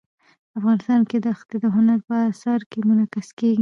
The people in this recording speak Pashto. افغانستان کې دښتې د هنر په اثار کې منعکس کېږي.